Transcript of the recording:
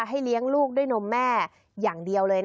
เลี้ยงลูกด้วยนมแม่อย่างเดียวเลย